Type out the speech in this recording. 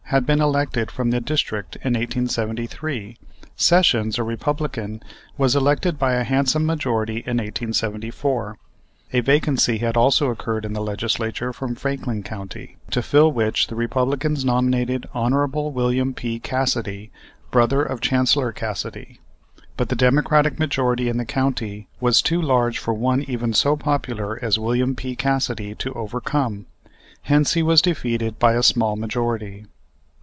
had been elected from that district in 1873, Sessions, a Republican, was elected by a handsome majority in 1874. A vacancy had also occurred in the Legislature from Franklin County, to fill which the Republicans nominated Hon. William P. Cassidy, brother of Chancellor Cassidy; but the Democratic majority in the county was too large for one even so popular as Wm. P. Cassidy to overcome; hence he was defeated by a small majority.